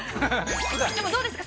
でも、どうですか。